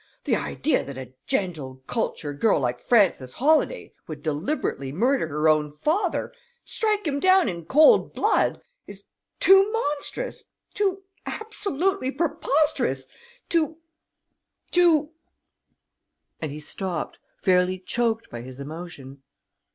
The idea that a gentle, cultured girl like Frances Holladay would deliberately murder her own father strike him down in cold blood is too monstrous, too absolutely preposterous, too too " and he stopped, fairly choked by his emotion.